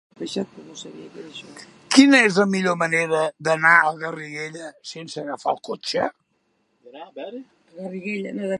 Quina és la millor manera d'anar a Garriguella sense agafar el cotxe?